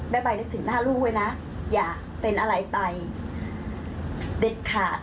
ใบนึกถึงหน้าลูกไว้นะอย่าเป็นอะไรไปเด็ดขาด